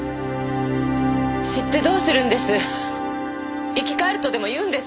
知ってどうするんです？